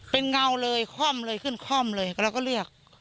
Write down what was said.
เป็นเงาเลยข้อมเลยขึ้นข้อมเลยแล้วก็เรียก